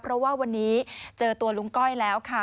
เพราะว่าวันนี้เจอตัวลุงก้อยแล้วค่ะ